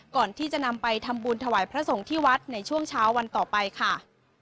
ก่อนที่จะนำไปทำบุญถวายพระสงฆ์ที่วัดในช่วงเช้าวันต่อไปค่ะ